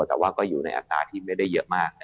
แต่ว่าก็อยู่ในอัตราที่ไม่ได้เยอะมาก